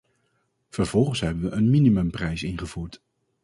Vervolgens hebben we een minimumprijs ingevoerd.